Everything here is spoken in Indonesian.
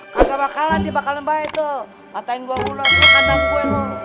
kakak bakalan dia bakalan baik tuh matain gua mulut di kandang gue